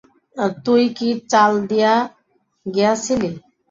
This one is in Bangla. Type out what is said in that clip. তুই কি চাল দিয়া গিয়াছিলি।